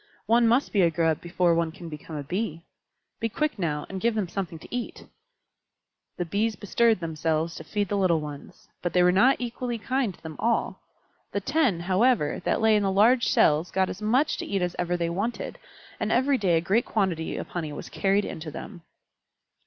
One must be a Grub before one can become a Bee. Be quick now, and give them something to eat." The Bees bestirred themselves to feed the little ones, but they were not equally kind to them all. The ten, however, that lay in the large cells got as much to eat as ever they wanted, and every day a great quantity of honey was carried in to them.